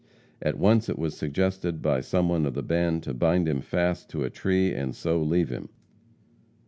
At once it was suggested by some one of the band to bind him fast to a tree and so leave him.